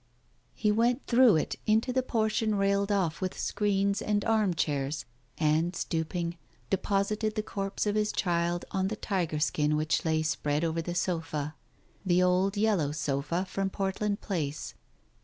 He went through it into the portion railed off with screens and arm chairs, and, stooping, deposited the corpse of his child on the tiger skin which lay spread over the sofa— the old yellow sofa from Portland Place.